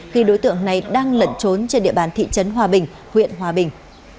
khi đối tượng này đang lẩn trốn trên địa bàn thị trấn hòa bình huyện hòa bình